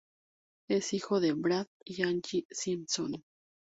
Es hijo de Brad y Angie Simpson.